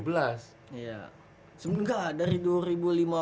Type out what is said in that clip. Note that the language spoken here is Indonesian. sebenernya nggak dari dua ribu lima belas